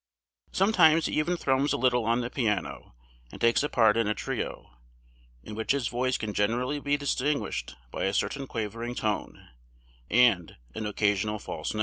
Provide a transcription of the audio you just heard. Sometimes he even thrums a little on the piano, and takes a part in a trio, in which his voice can generally be distinguished by a certain quavering tone, and an occasional false note.